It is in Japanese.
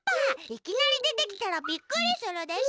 いきなりでてきたらびっくりするでしょ！